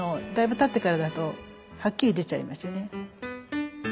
だいぶたってからだとはっきり出ちゃいますよね。